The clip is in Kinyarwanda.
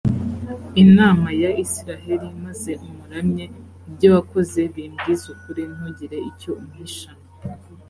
imana ya israheli, maze umuramye! ibyo wakoze bimbwize ukuri, ntugire icyo umpisha.